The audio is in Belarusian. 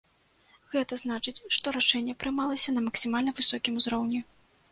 Гэта значыць, што рашэнне прымалася на максімальна высокім узроўні.